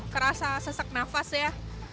kerasa sesak nafas ya